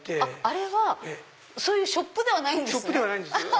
あれはそういうショップではないんですね。